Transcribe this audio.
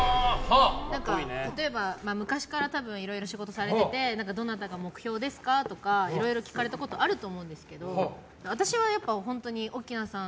例えば、昔からいろいろ仕事されていてどなたが目標ですか？とかいろいろ聞かれたことあると思うんですけど私は、本当に奥菜さん